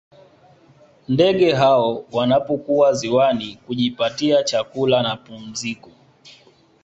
Ndege hao wanapokuwa ziwani kujipatia chakula na pumziko